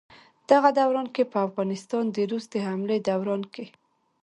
دغه دوران کښې په افغانستان د روس د حملې دوران کښې